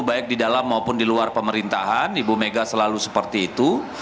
baik di dalam maupun di luar pemerintahan ibu mega selalu seperti itu